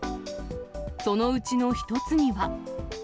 そのうちの１つには。